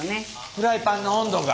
フライパンの温度が！